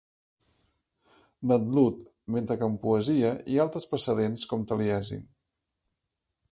Ned Ludd, mentre que en poesia hi ha altres precedents com Taliesin.